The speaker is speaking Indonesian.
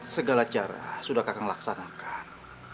segala cara sudah kakang laksanakan